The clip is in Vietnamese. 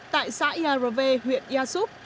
tại xã yareve huyện yasup